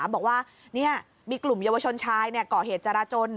บอกว่ามีกลุ่มเยาวชนชายก่อเหตุจราจน